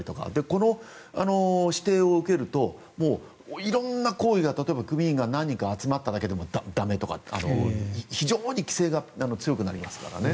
この指定を受けるともう色んな行為が例えば組員が何人か集まっただけでも駄目とかって、非常に規制が強くなりますからね。